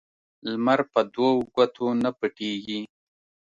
لمر په دوو ګوتو نه پټيږي.